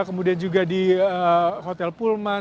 kemudian juga di hotel pulman